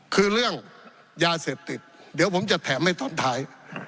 คือเรื่องยาเสพติดเดี๋ยวผมจะแถมให้ตอนท้าย